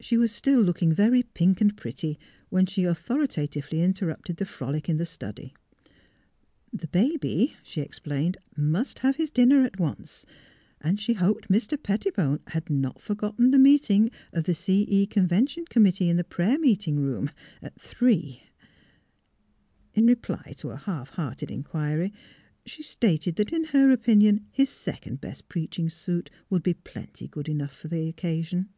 She was still looking very pink and pretty when she authoritatively interrupted the frolic in the study. The baby, she explained, must have his dinner at once ; and she hoped Mr. Pettibone had not forgotten the meeting of the C. E. Conven tion Committee in the prayer meeting room, at 344 THE HEAET OF PHILURA three. In reply to a lialf liearted inquiry, she stated that in her opinion his second best preach ing suit would be plenty good enough for the occasion.